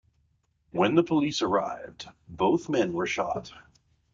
When the police arrived, both men were shot.